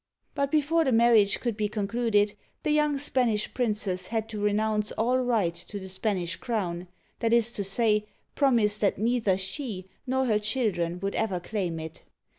But before the marriage could be concluded, the young Spanish princess had to renounce all right to the Spanish crown, that is to say, promise that neither she nor her children would ever claim it.